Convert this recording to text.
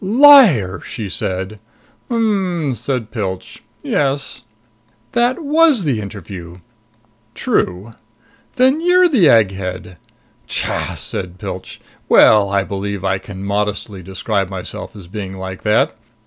"Liar!" she said. "Hm m m," said Pilch. "Yes." "That was the interview!" "True." "Then you're the egghead!" "Tcha!" said Pilch. "Well, I believe I can modestly describe myself as being like that.